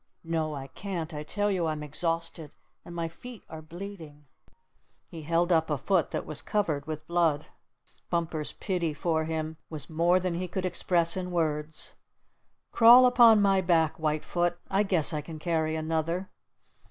"No, I can't. I tell you I'm exhausted, and my feet are bleeding." He held up a foot that was covered with blood. Bumper's pity for him was more than he could express in words. "Crawl upon my back, White Foot. I guess I can carry another."